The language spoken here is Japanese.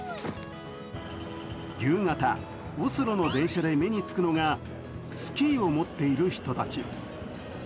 夕方、オスロの電車で目につくのがスキーを持っている人たち。